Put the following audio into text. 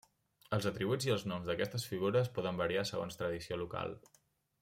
Els atributs i els noms d'aquestes figures poden variar segons tradició local.